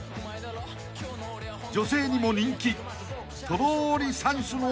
［女性にも人気］